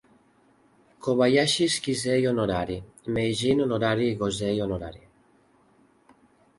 Kobayashi is Kisei honorari, Meijin honorari i Gosei honorari.